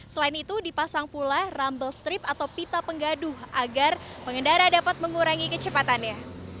selain itu dipasang pula rumble strip atau pita penggaduh agar pengendara dapat mengurangi kecepatannya